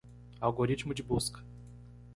Algoritmo de busca.